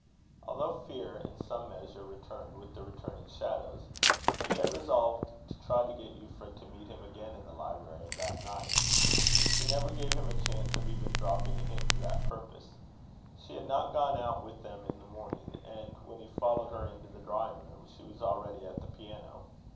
Although fear in some measure returned with the returning shadows, he yet resolved to try to get Euphra to meet him again in the library that night. But she never gave him a chance of even dropping a hint to that purpose. She had not gone out with them in the morning; and when he followed her into the drawing room, she was already at the piano.